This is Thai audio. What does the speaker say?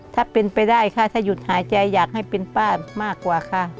ถ้าเป็นไปได้ค่ะถ้าหยุดหายใจอยากให้เป็นป้ามากกว่าค่ะ